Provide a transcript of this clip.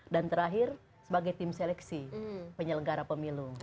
dan terakhir sebagai tim seleksi penyelenggara pemilu